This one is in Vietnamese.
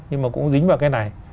nhưng mà cũng dính vào cái này